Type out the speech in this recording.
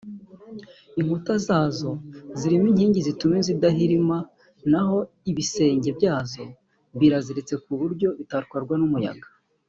Inkuta zazo zirimo inkingi zituma inzu idahirima naho ibisenge byazo biraziritse kuburyo bitatwarwa n’umuyaga